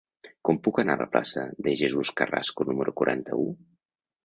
Com puc anar a la plaça de Jesús Carrasco número quaranta-u?